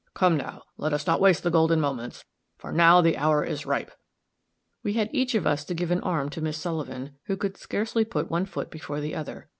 "Come, now, let us not waste the golden moments, for now the hour is ripe." We had each of us to give an arm to Miss Sullivan, who could scarcely put one foot before the other.